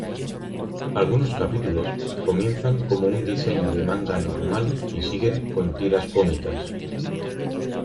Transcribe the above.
Algunos capítulos comienzan como un diseño de manga normal y siguen con tiras cómicas.